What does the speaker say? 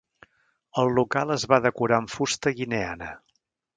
El local es va decorar amb fusta guineana.